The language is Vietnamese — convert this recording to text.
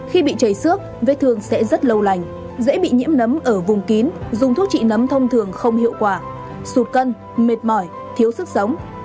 khi bị chảy xước vết thương sẽ rất lâu lành dễ bị nhiễm nấm ở vùng kín dùng thuốc trị nấm thông thường không hiệu quả sụt cân mệt mỏi thiếu sức sống